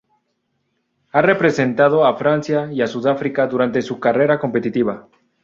Ha representado a Francia y a Sudáfrica durante su carrera competitiva.